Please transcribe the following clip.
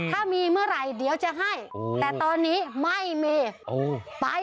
ถ้ามีเมื่อไหร่เดี๋ยวจะให้แต่ตอนนี้ไม่มีไป